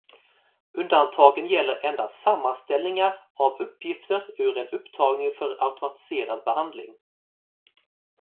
Undantagen gäller endast sammanställningar av uppgifter ur en upptagning för automatiserad behandling.